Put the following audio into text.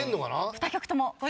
２曲とも。